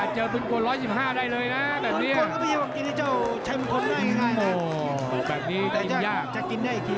ฉกกว่างบาก